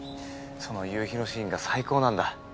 その夕日のシーンが最高なんだ。